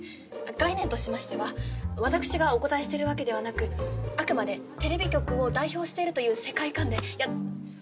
概念としましては私がお答えしてるわけではなくあくまでテレビ局を代表しているという世界観でやっ。